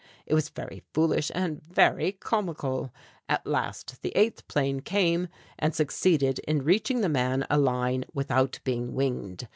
It was very foolish and very comical. At last the eighth plane came and succeeded in reaching the man a line without being winged.